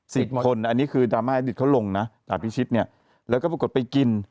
คนอันนี้คือดราม่าอดิตเขาลงนะดาบพิชิตเนี่ยแล้วก็ปรากฏไปกิน